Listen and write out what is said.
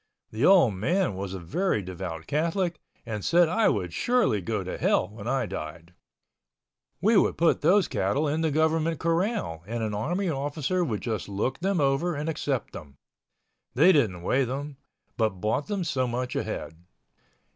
The old man was a very devout Catholic and said I would surely go to Hell when I died. We would put those cattle in the government corral and an army officer would just look them over and accept them. They didn't weigh them, but bought them so much a head.